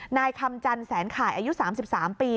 นายคำจันแสนข่ายอายุ๓๓ปี